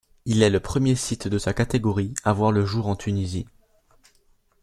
Il est le premier site de sa catégorie à voir le jour en Tunisie.